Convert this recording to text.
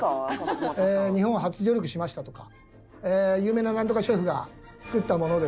「日本初上陸しました」とか「有名なナントカシェフが作ったものです」とか。